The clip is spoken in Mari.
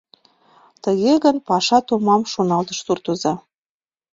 «Тыге гын, паша томам, — шоналтыш суртоза.